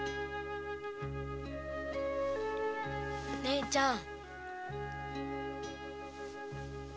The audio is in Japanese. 姉ちゃん。